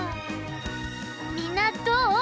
みんなどう？